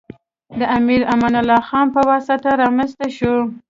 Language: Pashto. د امیر امان الله خان په تواسط رامنځته شو.